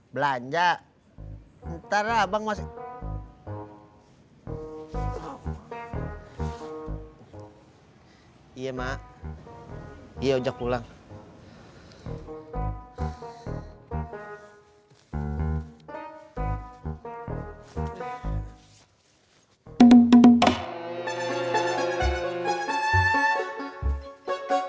sini pastikan lobor rambut ini apa